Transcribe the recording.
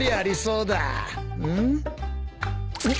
うん？